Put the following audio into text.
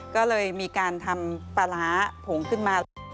ก็เลยมีการทำปลาร้าผงขึ้นมา